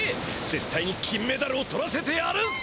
ぜったいに金メダルを取らせてやる！